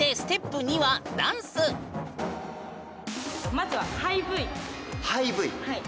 まずはハイＶ。